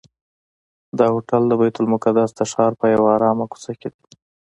دا هوټل د بیت المقدس د ښار په یوه آرامه کوڅه کې دی.